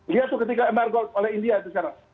lihat tuh ketika emar gold oleh india sekarang